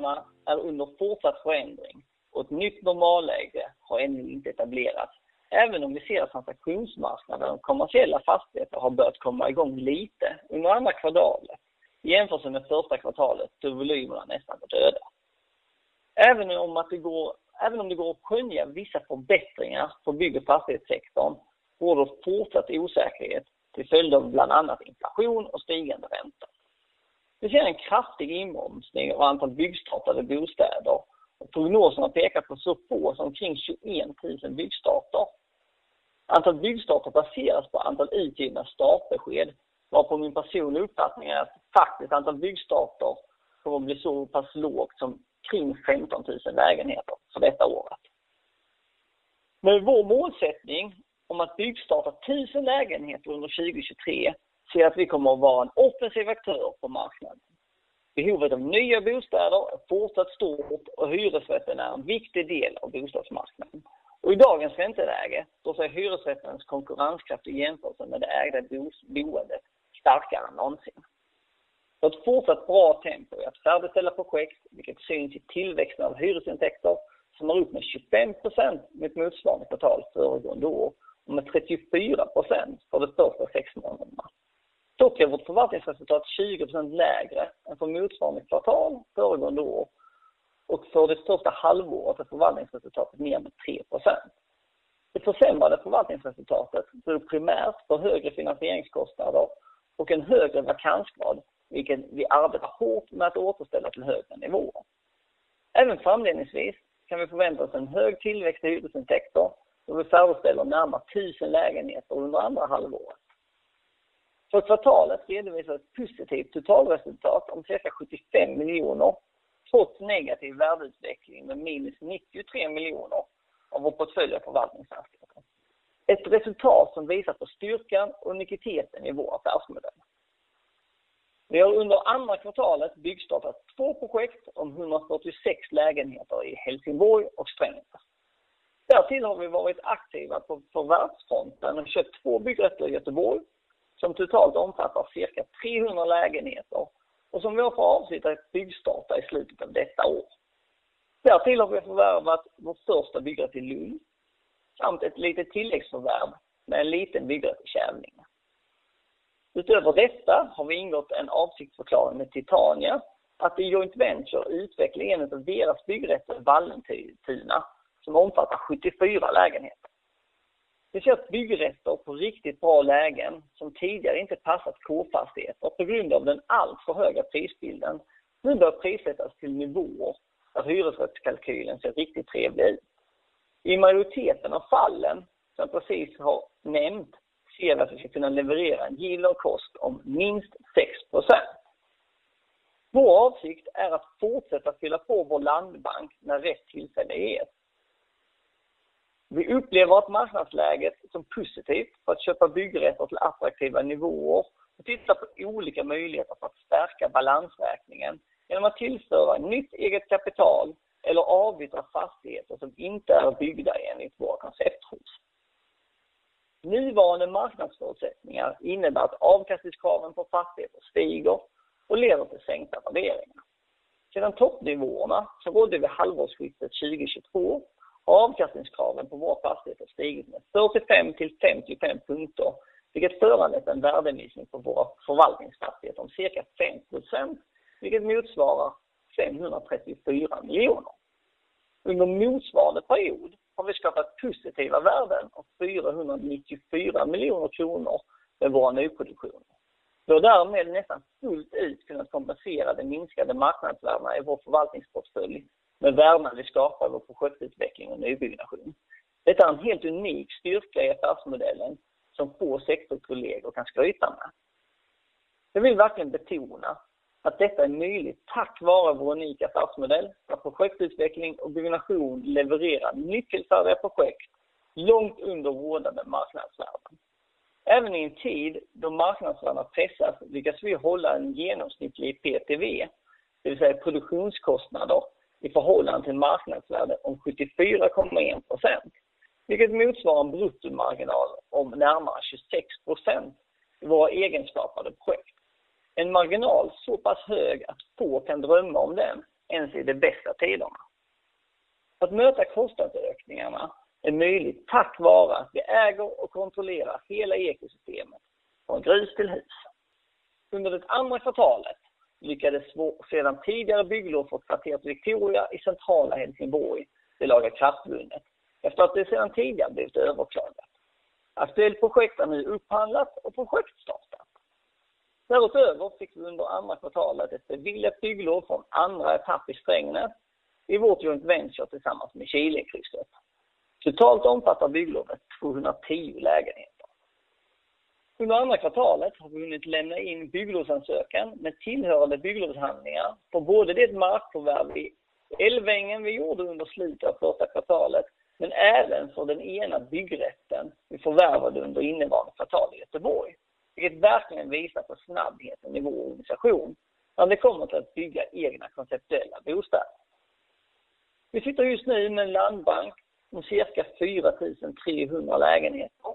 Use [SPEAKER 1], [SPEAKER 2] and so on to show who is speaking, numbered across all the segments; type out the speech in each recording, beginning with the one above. [SPEAKER 1] Marknadsförutsättningarna är under fortsatt förändring och ett nytt normalläge har ännu inte etablerats. Även om vi ser att transaktionsmarknaden och kommersiella fastigheter har börjat komma igång lite under andra kvartalet. I jämförelse med första kvartalet så volymerna nästan var döda. Även om det går att skönja vissa förbättringar på bygg- och fastighetssektorn, råder fortsatt osäkerhet till följd av bland annat inflation och stigande räntor. Vi ser en kraftig inbromsning av antal byggstartade bostäder och prognoserna pekar på så få som omkring 21,000 byggstarter. Antal byggstarter baseras på antal utgivna startbesked, varpå min personliga uppfattning är att faktiskt antal byggstarter kommer att bli så pass lågt som kring 15,000 lägenheter för detta året. Med vår målsättning om att byggstarta 1,000 lägenheter under 2023, ser jag att vi kommer att vara en offensiv aktör på marknaden. Behovet av nya bostäder är fortsatt stort och hyresrätten är en viktig del av bostadsmarknaden. I dagens ränteläge så är hyresrättens konkurrenskraft i jämförelse med det ägda boende starkare än någonsin. För ett fortsatt bra tempo i att färdigställa projekt, vilket syns i tillväxten av hyresintäkter som är upp med 25% mot motsvarande kvartal föregående år och med 34% för det första sexmånaders. Dock är vårt förvaltningsresultat 20% lägre än för motsvarande kvartal föregående år och för det första halvåret är förvaltningsresultatet ner med 3%. Det försämrade förvaltningsresultatet beror primärt på högre finansieringskostnader och en högre vakansgrad, vilken vi arbetar hårt med att återställa till högre nivåer. Även framledningsvis kan vi förvänta oss en hög tillväxt i hyresintäkter då vi färdigställer närmare 1,000 lägenheter under andra halvåret. För kvartalet redovisar ett positivt totalresultat om cirka 75 million, trots negativ värdeutveckling med minus 93 million av vår portfölj av förvaltningsfastigheter. Ett resultat som visar på styrkan och uniciteten i vår affärsmodell. Vi har under andra kvartalet byggstartat två projekt om 146 lägenheter i Helsingborg och Strängnäs. Därtill har vi varit aktiva på förvärvsfronten och köpt två byggrätter i Göteborg, som totalt omfattar cirka 300 lägenheter och som vi har för avsikt att byggstarta i slutet av detta år. Därtill har vi förvärvat vår första byggrätt i Lund, samt ett litet tilläggsförvärv med en liten byggrätt i Kävlinge. Utöver detta har vi ingått en avsiktsförklaring med Titania att i joint venture utveckla en utav deras byggrätter i Vallentuna, som omfattar 74 lägenheter. Vi köpt byggrätter på riktigt bra lägen som tidigare inte passat K-Fastigheter och på grund av den alltför höga prisbilden, nu bör prissättas till nivåer där hyresrättskalkylen ser riktigt trevlig ut. I majoriteten av fallen, som jag precis har nämnt, ser vi att vi ska kunna leverera en yield on cost om minst 6%. Vår avsikt är att fortsätta fylla på vår landbank när rätt tillfälle är det. Vi upplever att marknadsläget som positivt för att köpa byggrätter till attraktiva nivåer och tittar på olika möjligheter för att stärka balansräkningen genom att tillföra nytt eget kapital eller avyttra fastigheter som inte är byggda enligt vår koncepthus. Nuvarande marknadsförutsättningar innebär att avkastningskraven på fastigheter stiger och leder till sänkta värderingar. Sedan toppnivåerna, som rådde vid halvårsskiftet 2022, har avkastningskraven på våra fastigheter stigit med 45-55 punkter, vilket föranledde en värdeminskning på våra förvaltningsfastigheter om cirka 5%, vilket motsvarar 534 miljoner. Under motsvarande period har vi skapat positiva värden om SEK 494 miljoner med våra nyproduktioner. Vi har därmed nästan fullt ut kunnat kompensera det minskade marknadsvärdena i vår förvaltningsportfölj med värden vi skapar vår projektutveckling och nybyggnation. Detta är en helt unik styrka i affärsmodellen som få sektorkollegor kan skryta med. Jag vill verkligen betona att detta är möjligt tack vare vår unika affärsmodell, där projektutveckling och byggnation levererar nyckelfärdiga projekt långt under ordnade marknadsvärden. Även i en tid då marknadsvärden pressas, lyckas vi hålla en genomsnittlig PTV, det vill säga produktionskostnader, i förhållande till marknadsvärde om 74.1%, vilket motsvarar en bruttomarginal om närmare 26% i våra egenskapade projekt. En marginal så pass hög att få kan drömma om den, ens i de bästa tiderna. Att möta kostnadsökningarna är möjligt tack vare att vi äger och kontrollerar hela ekosystemet, från grus till hus. Under det andra kvartalet lyckades sedan tidigare bygglov för kvarteret Victoria i centrala Helsingborg, det lagakraftvunnet, efter att det sedan tidigare blivit överklagat. Aktuellt projekt har nu upphandlat och projektstartat. Fick vi under andra kvartalet ett beviljat bygglov från andra etapp i Strängnäs, i vårt joint venture tillsammans med Kilen Gruppen. Totalt omfattar bygglovet 210 lägenheter. Under andra kvartalet har vi hunnit lämna in bygglovsansökan med tillhörande bygglovshandlingar för både det markförvärv vid Älvängen vi gjorde under slutet av första kvartalet, men även för den ena byggrätten vi förvärvade under innevarande kvartal i Göteborg, vilket verkligen visar på snabbheten i vår organisation, när det kommer till att bygga egna konceptuella bostäder. Vi sitter just nu med en landbank om cirka 4,300 lägenheter,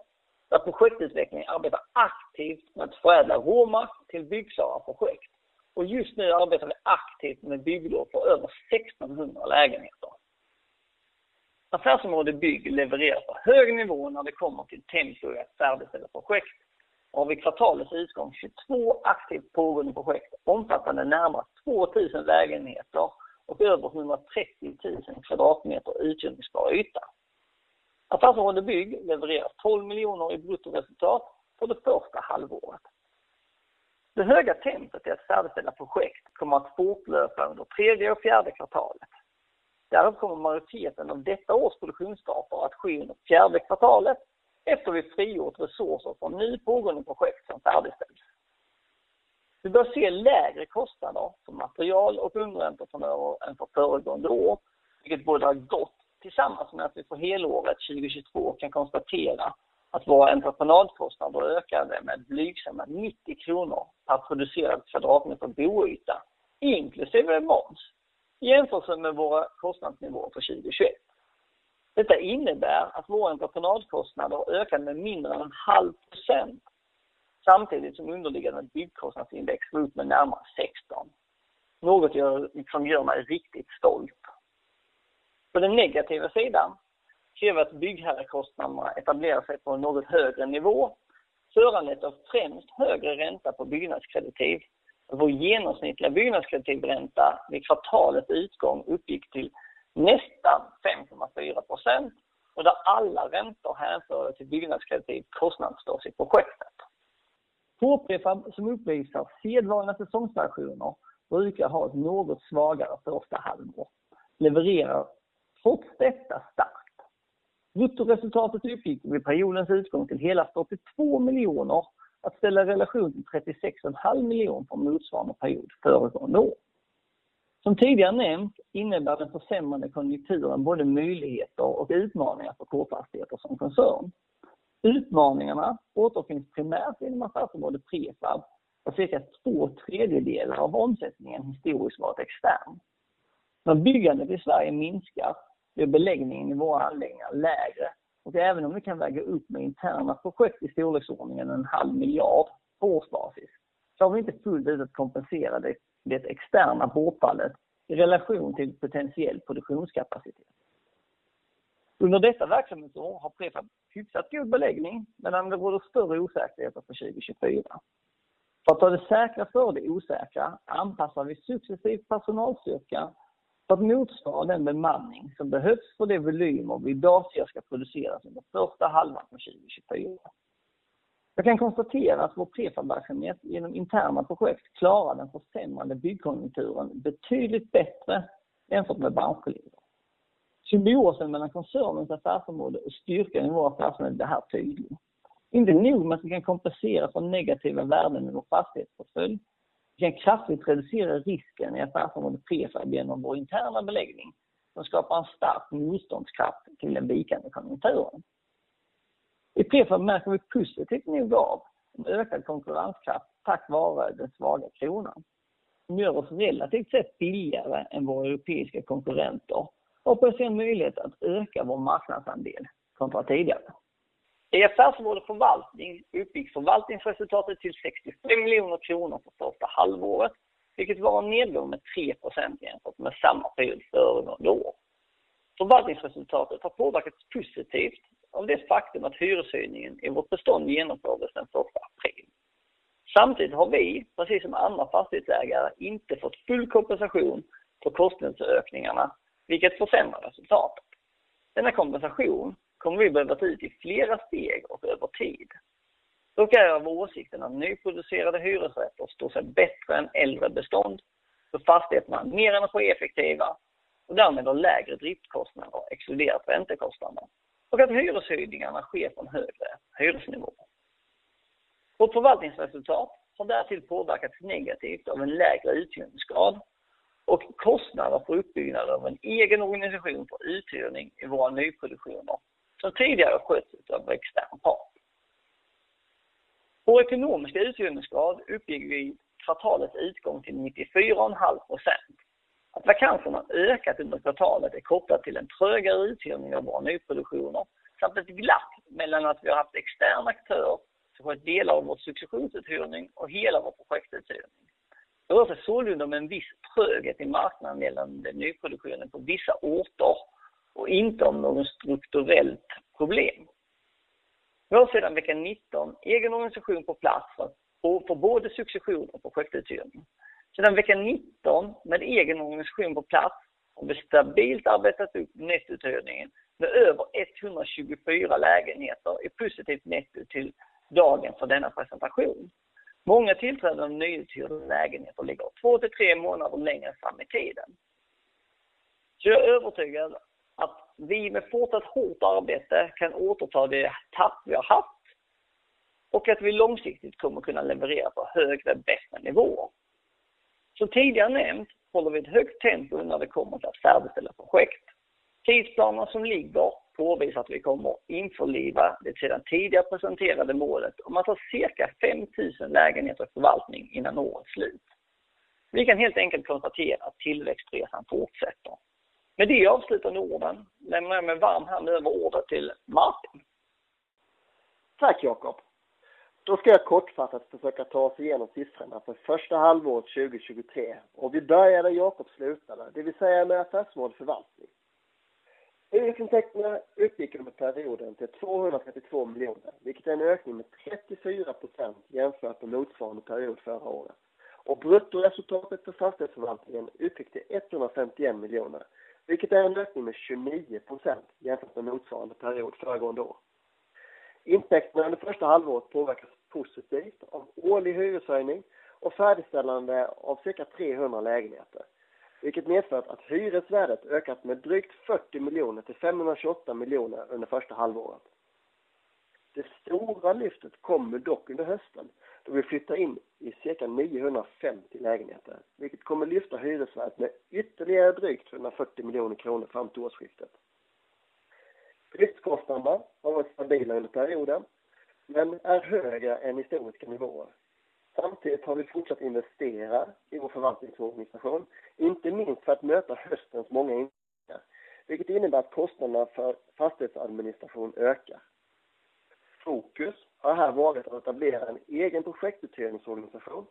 [SPEAKER 1] där projektutveckling arbetar aktivt med att förädla råmark till byggklara projekt. Just nu arbetar vi aktivt med bygglov för över 1,600 lägenheter. Affärsområde Bygg levererar på hög nivå när det kommer till tempo i att färdigställa projekt. Har vid kvartalets utgång, 22 aktivt pågående projekt omfattande närmare 2,000 lägenheter och över 130,000 square meters uthyrningsbar yta. Affärsområde Bygg levererar 12 million i bruttoresultat för det första halvåret. Det höga tempot i att färdigställa projekt kommer att fortlöpa under third och fourth kvartalet. Däremot kommer majoriteten av detta års produktionsstarter att ske under fourth kvartalet, efter vi frigjort resurser från ny pågående projekt som färdigställs. Vi bör se lägre kostnader för material och underentreprenadsskulder än för föregående år, vilket bådar gott tillsammans med att vi för helåret 2022 kan konstatera att våra entreprenadkostnader ökade med blygsamma 90 kronor per producerad kvadratmeter boyta, inklusive moms, i jämförelse med våra kostnadsnivåer för 2021. Detta innebär att våra entreprenadkostnader har ökat med mindre än 0.5%, samtidigt som underliggande byggkostnadsindex går upp med närmare 16. Något jag, som gör mig riktigt stolt. På den negativa sidan ser vi att byggherrekostnaderna etablerar sig på en något högre nivå, föranlett av främst högre ränta på byggnadskreditiv. Vår genomsnittliga byggnadskreditivränta vid kvartalets utgång uppgick till nästan 5.4% och där alla räntor hänförda till byggnadskreditiv kostnadsförs i projektet. K-Prefab som uppvisar sedvana säsongsvariationer brukar ha ett något svagare första halvår. Levererar trots detta starkt. Bruttoresultatet uppgick vid periodens utgång till hela 82 million. Att ställa i relation till 36 and a half million från motsvarande period föregående år. Som tidigare nämnt, innebär den försämrade konjunkturen både möjligheter och utmaningar för K-Fastigheter som koncern. Utmaningarna återfinns primärt inom affärsområde Prefab, där cirka 2/3 av omsättningen historiskt var extern. Även om vi kan väga upp med interna projekt i storleksordningen SEK a half billion på årsbasis, så har vi inte fullt ut kompenserat det externa bortfallet i relation till potentiell produktionskapacitet. Under detta verksamhetsår har Prefab hyfsat god beläggning, men det råder större osäkerheter för 2024. Att ta det säkra för det osäkra, anpassar vi successivt personalstyrkan för att motsvara den bemanning som behövs för de volymer vi i dag ser ska produceras under first half of 2024. Jag kan konstatera att vår Prefabverksamhet genom interna projekt klarar den försämrade byggkonjunkturen betydligt bättre än för med branschkollegor. Symbiosen mellan koncernens affärsområde och styrkan i vår affärsmodell blir här tydlig. Inte nog med att vi kan kompensera för negativa värden i vår fastighetsportfölj, vi kan kraftigt reducera risken i affärsområde Prefab genom vår interna beläggning, som skapar en stark motståndskraft till den vikande konjunkturen. I Prefab märker vi ett positivt nog av en ökad konkurrenskraft tack vare den svaga kronan, som gör oss relativt sett billigare än våra europeiska konkurrenter och får se en möjlighet att öka vår marknadsandel kontra tidigare. I affärsområde förvaltning uppgick förvaltningsresultatet till 65 million kronor för första halvåret, vilket var en nedgång med 3% jämfört med samma period föregående år. Förvaltningsresultatet har påverkats positivt av det faktum att hyreshöjningen i vårt bestånd genomfördes den första April. Samtidigt har vi, precis som andra fastighetsägare, inte fått full kompensation för kostnadsökningarna, vilket försämrar resultatet. Denna kompensation kommer vi behöva ta ut i flera steg och över tid. Dock är jag av åsikten att nyproducerade hyresrätter står sig bättre än äldre bestånd, då fastigheterna är mer energieffektiva och därmed har lägre driftkostnader, exkluderat räntekostnader, och att hyreshöjningarna sker på en högre hyresnivå. Vårt förvaltningsresultat har därtill påverkats negativt av en lägre uthyrningsgrad och kostnader för uppbyggnad av en egen organisation för uthyrning i våra nyproduktioner, som tidigare skötts av extern part. Vår ekonomiska uthyrningsgrad uppgick vid kvartalets utgång till 94.5%. Att vakanserna ökat under kvartalet är kopplat till en trögare uthyrning av våra nyproduktioner, samt ett glapp mellan att vi har haft extern aktör, som sköter delar av vår successionsuthyrning och hela vår projektuthyrning. Dels följande med en viss tröghet i marknaden mellan nyproduktioner på vissa orter och inte om något strukturellt problem. Vi har sedan vecka 19 egen organisation på plats för både succession och projektuthyrning. Sedan vecka 19, med egen organisation på plats, har vi stabilt arbetat upp nettouthyrningen med över 124 lägenheter i positivt netto till dagen för denna presentation. Många tillträden av nyuthyrda lägenheter ligger 2-3 månader längre fram i tiden. Jag är övertygad att vi med fortsatt hårt arbete kan återta det tapp vi har haft och att vi långsiktigt kommer att kunna leverera på högre, bättre nivåer. Tidigare nämnt håller vi ett högt tempo när det kommer till att färdigställa projekt. Tidsplanen som ligger påvisar att vi kommer att införliva det sedan tidigare presenterade målet om att ha cirka 5,000 lägenheter i förvaltning innan årets slut. Vi kan helt enkelt konstatera att tillväxtresan fortsätter. Med det avslutar jag ordet. Lämnar jag med varm hand över ordet till Martin.
[SPEAKER 2] Tack Jacob! Då ska jag kortfattat försöka ta oss igenom siffrorna för första halvåret 2023. Vi börjar där Jacob slutade, det vill säga med affärsområde förvaltning. Hyresintäkterna uppgick under perioden till 232 million, vilket är en ökning med 34% jämfört med motsvarande period förra året. Bruttoresultatet för fastighetsförvaltningen uppgick till 151 million, vilket är en ökning med 29% jämfört med motsvarande period föregående år. Intäkterna under första halvåret påverkas positivt av årlig hyreshöjning och färdigställande av cirka 300 lägenheter, vilket medfört att hyresvärdet ökat med drygt 40 million till 528 million under första halvåret. Det stora lyftet kommer dock under hösten, då vi flyttar in i cirka 950 lägenheter, vilket kommer lyfta hyresvärdet med ytterligare drygt 140 million kronor fram till årsskiftet. Driftskostnaderna har varit stabila under perioden, men är högre än historiska nivåer. Vi har fortsatt investera i vår förvaltningsorganisation, inte minst för att möta höstens många ingångna, vilket innebär att kostnaderna för fastighetsadministration ökar. Fokus har här varit att etablera en egen projektutvecklingsorganisation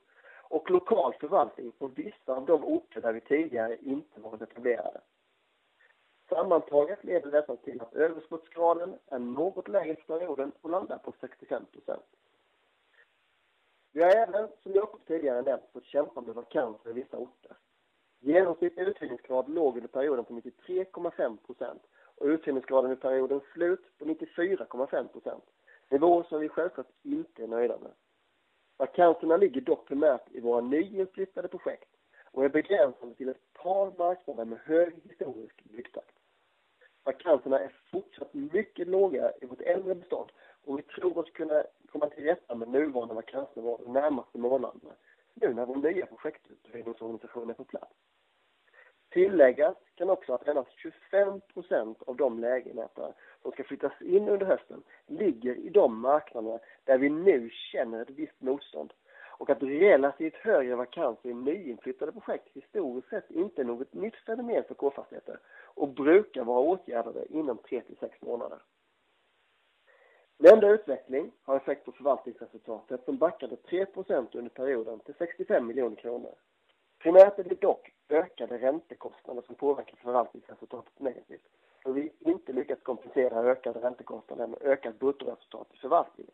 [SPEAKER 2] och lokal förvaltning på vissa av de orter där vi tidigare inte var etablerade. Detta leder till att överskottsgraden är något lägre för perioden och landar på 65%. Vi har även, som Jacob tidigare nämnt, på ett kämpande vakanser i vissa orter. Genomsnitt uthyrningsgrad låg under perioden på 93.5% och uthyrningsgraden i periodens slut på 94.5%. Nivåer som vi självklart inte är nöjda med. Vakanserna ligger primärt i våra nyinflyttade projekt och är begränsade till ett par marknader med hög historisk byggtakt. Vakanserna är fortsatt mycket låga i vårt äldre bestånd. Vi tror oss kunna komma till rätta med nuvarande vakansnivåer de närmaste månaderna, nu när vår nya projektutvecklingsorganisation är på plats. Tilläggas kan också att endast 25% av de lägenheter som ska flyttas in under hösten ligger i de marknaderna där vi nu känner ett visst motstånd. Att relativt högre vakanser i nyinflyttade projekt historiskt sett inte är något nytt fenomen för K-Fastigheter och brukar vara åtgärdade inom 3-6 månader. Denna utveckling har effekt på förvaltningsresultatet som backade 3% under perioden till 65 million kronor. Primärt är det dock ökade räntekostnader som påverkar förvaltningsresultatet negativt, då vi inte lyckats kompensera ökade räntekostnader med ökat bruttoresultat i förvaltningen.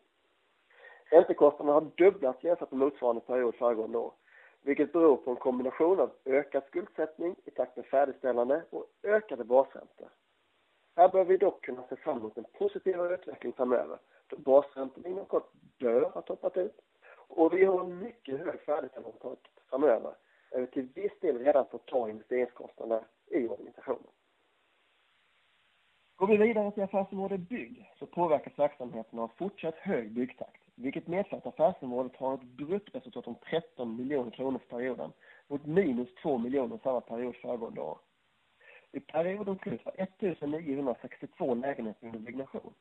[SPEAKER 2] Räntekostnaderna har dubblats jämfört med motsvarande period föregående år, vilket beror på en kombination av ökad skuldsättning i takt med färdigställande och ökade basräntor. Här bör vi dock kunna se fram emot en positivare utveckling framöver, då basräntan inom kort bör ha toppat ut och vi har en mycket hög färdigställande framöver. Även till viss del redan på ta in investeringskostnader i organisationen. Går vi vidare till affärsområde Bygg så påverkas verksamheten av fortsatt hög byggtakt, vilket medför att affärsområdet har ett bruttoresultat om 13 million kronor för perioden mot minus 2 million samma period föregående år. Vid periodens slut var 1,962 lägenheter i byggnation,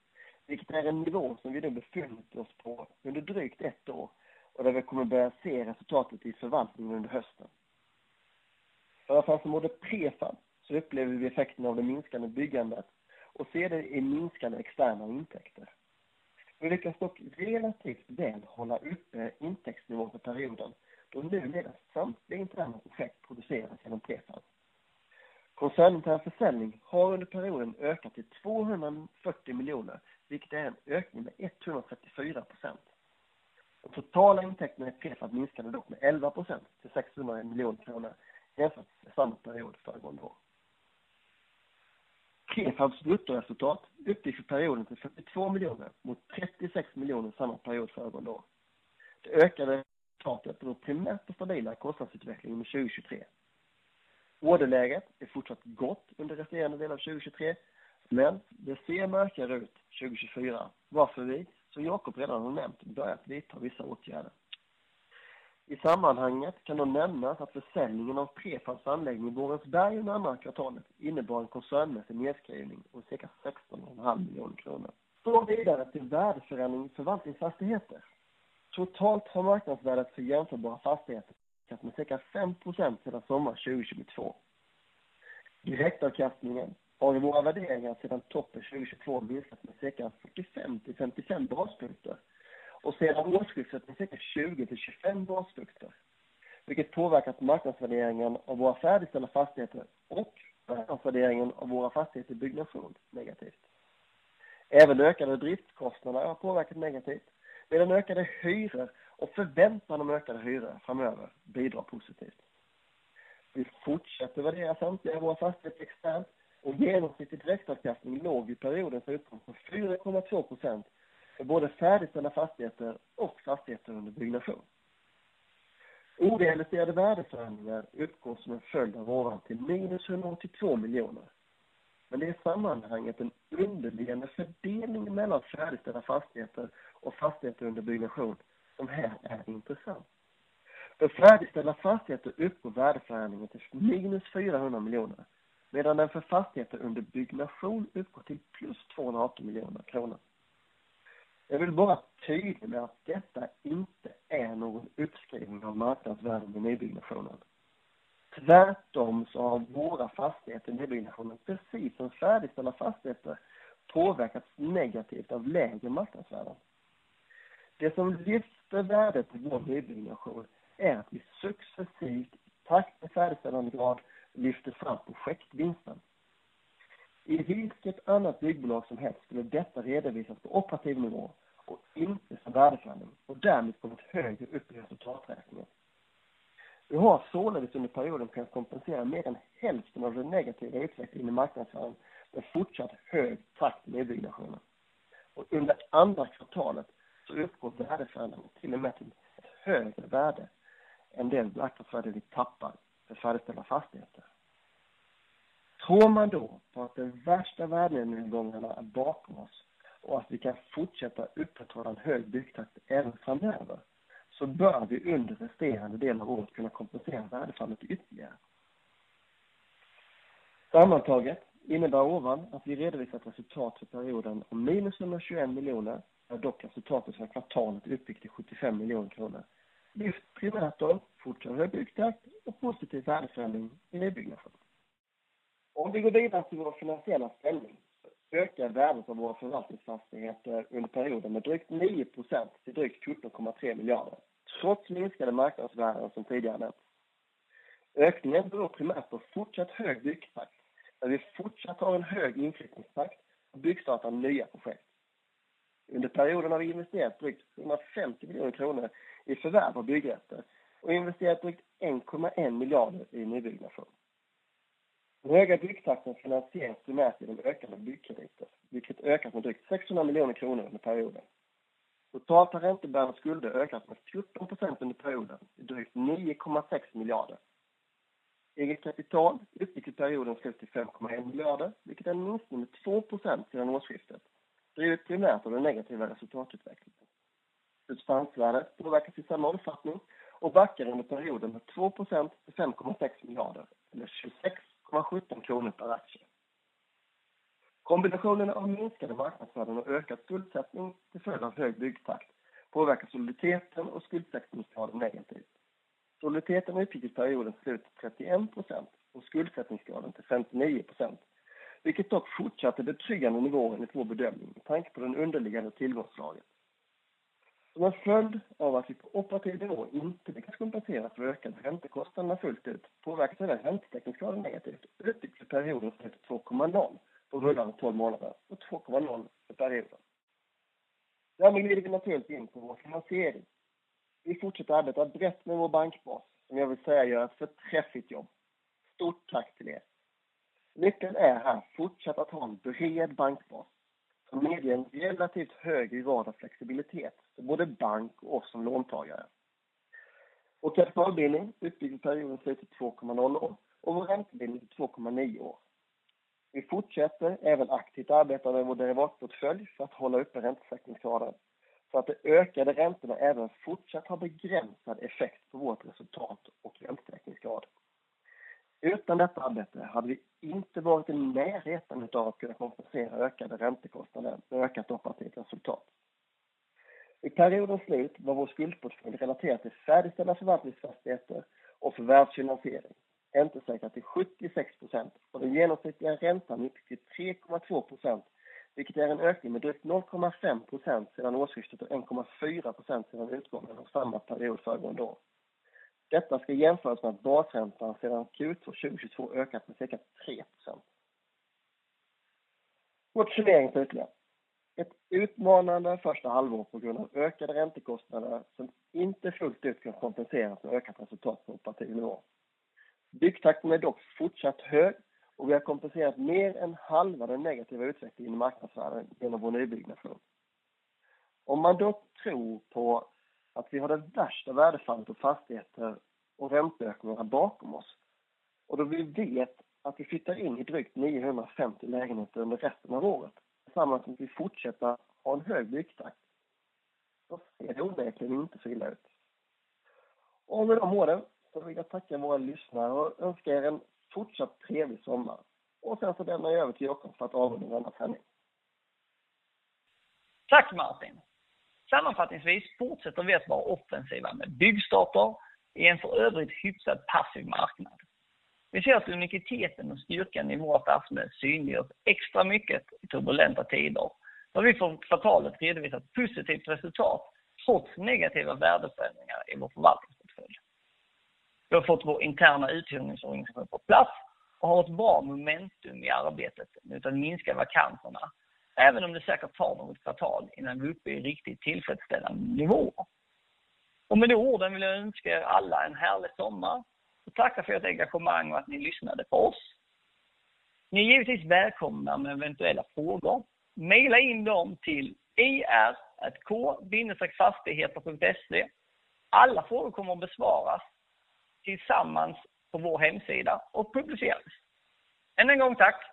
[SPEAKER 2] vilket är en nivå som vi nu befunnit oss på under drygt ett år och där vi kommer börja se resultatet i förvaltningen under hösten. För affärsområde Prefab så upplever vi effekterna av det minskande byggandet och ser det i minskande externa intäkter. Vi lyckas dock relativt väl hålla uppe intäktsnivån för perioden, då nu leda samtliga interna objekt produceras genom Prefab. Koncernintern försäljning har under perioden ökat till 240 million, vilket är en ökning med 134%. De totala intäkterna i K-Prefab minskade dock med 11% till 600 million kronor jämfört med samma period föregående år. K-Prefabs bruttoresultat uppgick för perioden till 42 million mot 36 million samma period föregående år. Det ökade resultatet beror primärt på stabilare kostnadsutveckling under 2023. Orderläget är fortsatt gott under resterande delen av 2023, det ser mörkare ut 2024, varför vi, som Jacob redan har nämnt, börjat vidta vissa åtgärder. I sammanhanget kan nog nämnas att försäljningen av K-Prefabs anläggning i Borensberg under Q2 innebar en koncernmässig nedskrivning om cirka 16 and a half million. Vidare till värdeförändring i förvaltningsfastigheter. Totalt har marknadsvärdet för jämförbara fastigheter ökat med cirka 5% sedan sommaren 2022. Direktavkastningen har i våra värderingar sedan toppen 2022 visat med cirka 45-55 basis points och sedan årsskiftet med cirka 20-25 basis points, vilket påverkat marknadsvärderingen av våra färdigställda fastigheter och marknadsvärderingen av våra fastigheter i byggnation negativt. Även ökade driftkostnaderna har påverkat negativt, medan ökade hyror och förväntan om ökade hyror framöver bidrar positivt. Vi fortsätter värdera samtliga av våra fastigheter externt och genomsnittlig direktavkastning låg i perioden på uppgång på 4.2% för både färdigställda fastigheter och fastigheter under byggnation. Orealiserade värdeförändringar uppgår som en följd av ovan till minus 182 million. Det är i sammanhanget en underliggande fördelning mellan färdigställda fastigheter och fastigheter under byggnation som här är intressant. För färdigställda fastigheter uppgår värdeförändringen till minus 400 million, medan den för fastigheter under byggnation uppgår till plus 280 million kronor. Jag vill bara tydliggöra att detta inte är någon uppskrivning av marknadsvärde i nybyggnationen. Tvärtom har våra fastigheter i nybyggnation, precis som färdigställda fastigheter, påverkats negativt av lägre marknadsvärden. Det som lyfter värdet på vår nybyggnation är att vi successivt i takt med färdigställande grad lyfter fram projektvinsten. I vilket annat byggbolag som helst skulle detta redovisas på operativ nivå och inte som värdeförändring och därmed på ett högre upp i resultatrappningen. Vi har således under perioden kunnat kompensera mer än hälften av den negativa utvecklingen i marknadsvärden med fortsatt hög takt i nybyggnationen. Under andra kvartalet uppgår värdeförändringen till och med till ett högre värde än den marknadsvärde vi tappar för färdigställda fastigheter. Tror man då på att den värsta värdenedgångarna är bakom oss och att vi kan fortsätta upprätthålla en hög byggtakt även framöver, bör vi under resterande del av året kunna kompensera värdefallet ytterligare. Sammantaget innebär ovan att vi redovisat resultat för perioden om minus 121 million, där dock resultatet för kvartalet uppgick till 75 million kronor, lyfts primärt av fortsatt hög byggtakt och positiv värdeförändring i nybyggnation. Om vi går vidare till vår finansiella ställning, så ökar värdet av våra förvaltningsfastigheter under perioden med drygt 9% till drygt 14.3 billion. Trots minskade marknadsvärden som tidigare nämnt. Ökningen beror primärt på fortsatt hög byggtakt, där vi fortsatt har en hög inflyttningstakt och byggstartar nya projekt. Under perioden har vi investerat drygt 150 million kronor i förvärv av byggrätter och investerat drygt 1.1 billion i nybyggnation. Den höga byggtakten finansieras primärt genom ökande byggkrediter, vilket ökat med drygt 600 million kronor under perioden. Totalt har räntebärande skulder ökat med 17% under perioden till drygt 9.6 billion. Eget kapital uppgick i perioden slutet till 5.1 billion, vilket är en minskning med 2% sedan årsskiftet, drivet primärt av den negativa resultatutvecklingen. Substansvärdet påverkas i samma omfattning och backar under perioden med 2% till 5.6 billion eller 26.17 kronor per aktie. Kombinationen av minskade marknadsvärden och ökad skuldsättning till följd av hög byggtakt, påverkar soliditeten och skuldsättningsgraden negativt. Soliditeten uppgick i perioden till 31% och skuldsättningsgraden till 59%, vilket dock fortsatte betryggande nivåer enligt vår bedömning, med tanke på den underliggande tillgångsslagen. Som en följd av att vi på operativ nivå inte kan kompensera för ökade räntekostnaderna fullt ut, påverkas även räntetäckningsgraden negativt, uppgick för perioden till 2.0 på rullande 12 månader och 2.0 för perioden. Därmed lider vi naturligt in på vår finansiering. Vi fortsätter arbeta brett med vår bankbas, som jag vill säga gör ett förträffligt jobb. Stort tack till er! Nyckeln är här fortsatt att ha en bred bankbas, som ger en relativt hög grad av flexibilitet för både bank och oss som låntagare. Vår terminsbildning uppgick i perioden slutet till 2.0% och vår räntebindning till 2.9%. Vi fortsätter även aktivt arbeta med vår derivatportfölj för att hålla uppe räntesäkringsgraden, för att de ökade räntorna även fortsatt har begränsad effekt på vårt resultat och räntesäkringsgrad. Utan detta arbete hade vi inte varit i närheten utav att kunna kompensera ökade räntekostnader med ökat operativt resultat. I periodens slut var vår skuldportfölj relaterat till färdigställda förvaltningsfastigheter och förvärvsfinansiering, räntesäkrat till 76% och den genomsnittliga räntan uppgick till 3.2%, vilket är en ökning med drygt 0.5% sedan årsskiftet och 1.4% sedan utgången av samma period föregående år. Detta ska jämföras med att basräntan sedan Q2 2022 ökat med cirka 3%. Kort summering utöver ett utmanande första halvår på grund av ökade räntekostnader som inte fullt ut kan kompenseras av ökat resultat på operativ nivå. Byggtakten är dock fortsatt hög och vi har kompenserat mer än halva den negativa utvecklingen i marknadsvärden genom vår nybyggnation. Om man dock tror på att vi har det värsta värdefallet på fastigheter och ränteökningarna bakom oss, och då vi vet att vi flyttar in i drygt 950 lägenheter under resten av året, tillsammans med att vi fortsätter ha en hög byggtakt, då ser det verkligen inte så illa ut. Med de orden så vill jag tacka våra lyssnare och önska er en fortsatt trevlig sommar. Sen så lämnar jag över till Jocke för att avrunda vår presentation.
[SPEAKER 1] Tack Martin! Sammanfattningsvis fortsätter vi att vara offensiva med byggstarter i en för övrigt hyfsat passiv marknad. Vi ser att uniciteten och styrkan i vår affärsmässigt synliggörs extra mycket i turbulenta tider, där vi för kvartalet redovisat positivt resultat, trots negativa värdeförändringar i vårt förvaltningsportfölj. Vi har fått vår interna uthyrningsorganisation på plats och har ett bra momentum i arbetet utav minska vakanserna, även om det säkert tar något kvartal innan vi uppe i riktigt tillfredsställande nivåer. Med de orden vill jag önska er alla en härlig sommar och tacka för ert engagemang och att ni lyssnade på oss. Ni är givetvis välkomna med eventuella frågor. Mejla in dem till ir@k-fastigheter.se. Alla frågor kommer att besvaras tillsammans på vår hemsida och publiceras. Än en gång, tack!